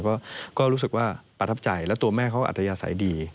ก็รู้สึกว่าประทับใจและตัวแม่เขาอัธยาศัยดี